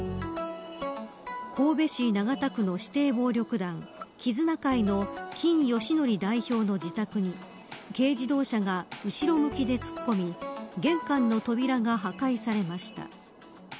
神戸市長田区の指定暴力団絆曾の金禎紀代表の自宅に軽自動車が後ろ向きで突っ込み玄関の扉が破壊されました。